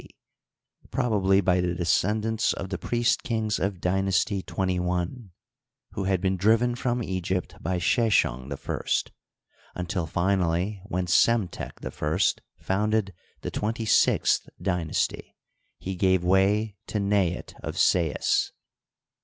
C, probably by the descendants of the priest kings of Dynasty XXI, who had been driven from Egypt by Sheshong I, until, finally, when Psemtek I founded the twenty sixth dynasty, he gave way to Nezt of Sais.